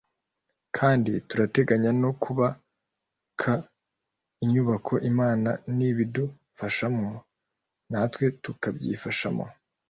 kandi turateganya no kubaka inyubako Imana nibidufashamo natwe tukabyifashamo